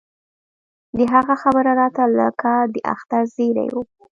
د هغه خبره راته لکه د اختر زېرى و.